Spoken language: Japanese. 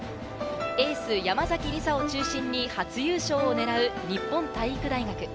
エースの山崎りさを中心に初優勝を狙う日本体育大学。